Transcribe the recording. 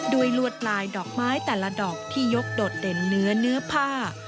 ด้วยรวดลายดอกไม้แต่ละดอกที่ยกโดดเด่นเนื้อผ้า